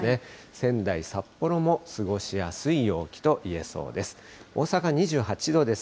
仙台、札幌も過ごしやすい陽気といえそうです。